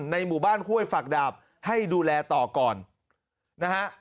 ในหมู่บ้านห้วยฝักดาบให้ดูแลต่อก่อนนะฮะ